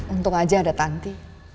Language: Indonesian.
untung aja ada tanti